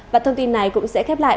và thông tin này cũng sẽ khép lại